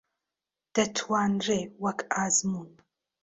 دەتوانرێ وەک ئەزموون